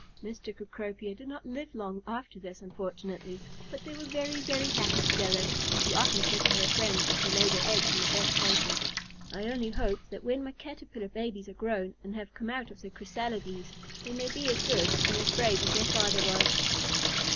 Mr. Cecropia did not live long after this, unfortunately, but they were very, very happy together, and she often said to her friends, as she laid her eggs in the best places, "I only hope that when my Caterpillar babies are grown and have come out of their chrysalides, they may be as good and as brave as their father was."